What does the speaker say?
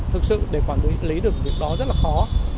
thực sự để quản lý được việc đó rất là khó